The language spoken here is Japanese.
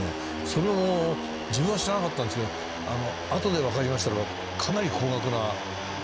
それも自分は知らなかったんですけどあとで分かりましたのは。